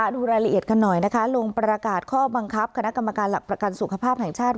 ดูรายละเอียดกันหน่อยนะคะลงประกาศข้อบังคับคณะกรรมการหลักประกันสุขภาพแห่งชาติ